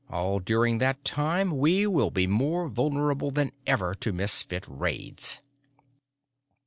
All during that time, we will be more vulnerable than ever to Misfit raids."